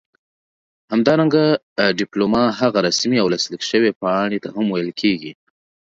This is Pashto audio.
همدارنګه ډيپلوما هغې رسمي او لاسليک شوي پاڼې ته هم ويل کيږي